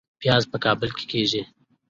پیاز په کابل کې کیږي